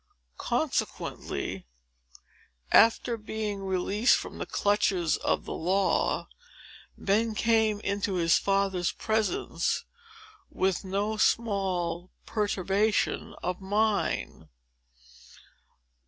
Consequently, after being released from the clutches of the law, Ben came into his father's presence, with no small perturbation of mind.